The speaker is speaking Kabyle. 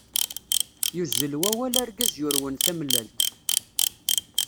yuzzel wawal argaz yurwen tamellalt.